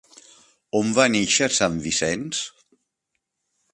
On va néixer Sant Vicenç?